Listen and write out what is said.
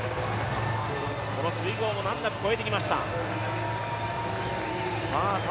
この水濠も難なく越えていきました。